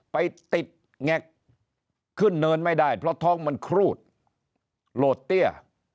ไปติดแงกขึ้นเนินไม่ได้เพราะท้องมันครูดโหลดเตี้ย